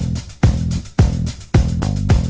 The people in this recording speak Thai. มีวันหยุดเอ่ออาทิตย์ที่สองของเดือนค่ะ